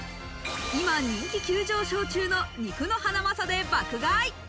今、人気急上昇中の肉のハナマサで爆買い。